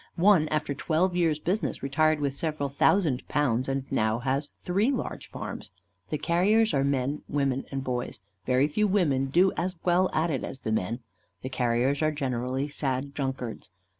One after twelve years' business retired with several thousand pounds, and has now three large farms. The carriers are men, women, and boys. Very few women do as well at it as the men. The carriers are generally sad drunkards.